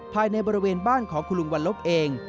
ภายในบริเวณบ้านของคุณลุงวันลบเอง